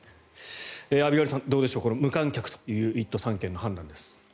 アビガイルさんどうでしょう無観客という１都３県の判断です。